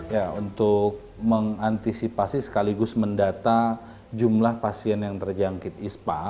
ya untuk mengantisipasi sekaligus mendata jumlah pasien yang terjangkit ispa